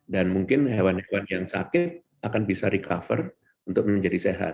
mungkin hewan hewan yang sakit akan bisa recover untuk menjadi sehat